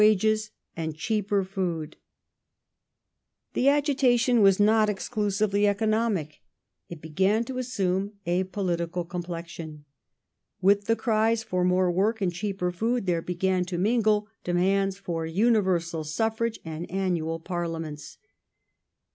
ages, and cheaper food. Political The agitation was not exclusively economic. It began to ^°" assume a political complexion. With the cries for more work and cheaper food, there began to mingle demands for universal suffi age and annual Parliaments.